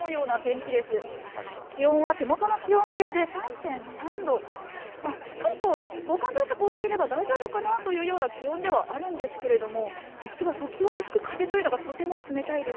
気温は手元の気温計で３．３度、しっかりと防寒対策をしていれば大丈夫かなというような気温ではあるんですけれども、実は、時折吹く風というのが、とても冷たいです。